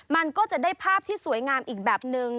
มันก็จะได้ภาพที่สวยงามอีกแบบนึง